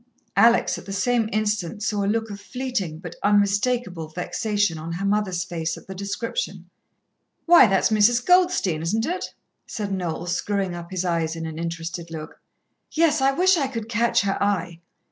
Alex at the same instant saw a look of fleeting, but unmistakable vexation on her mother's face at the description. "Why, that's Mrs. Goldstein, isn't it?" said Noel, screwing up his eyes in an interested look. "Yes. I wish I could catch her eye."